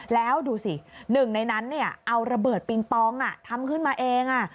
แล้วดูสิหนึ่งในนั้นเอาระเบิดปิงปองทำขึ้นมาเอง